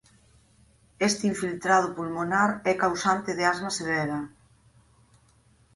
Este infiltrado pulmonar é causante de asma severa.